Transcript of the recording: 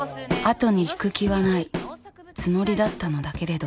後に引く気はないつもりだったのだけれど。